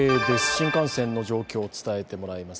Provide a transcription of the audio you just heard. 新幹線の状況を伝えてもらいます。